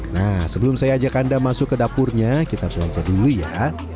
nah sebelum saya ajak anda masuk ke dapurnya kita belanja dulu ya